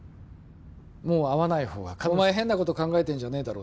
もう会わない方が彼女のためお前変なこと考えてんじゃねえだろうな